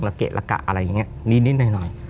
เกะละกะอะไรอย่างนี้นิดหน่อย